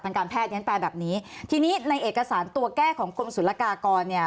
ตังการแพทย์เพลงแบบนี้ทีนี้ในเอกสารตัวแก้ของกลมสุรกากรเนี่ย